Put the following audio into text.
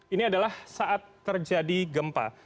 ini adalah saat terjadi gempa